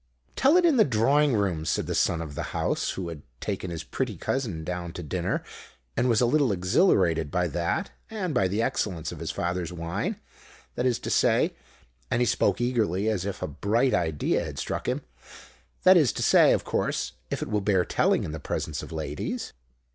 "Tell it in the drawing room," said the Son of the House, who had taken his pretty cousin down to dinner, and was a little exhilarated by that and by the excellence of his father's wine; "that is to say," and he spoke eagerly, as if a bright idea had struck him, "that is to say, of course, if it will bear telling in the presence of ladies."